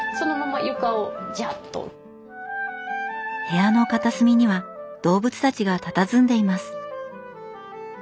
部屋の片隅には動物たちがたたずんでいます。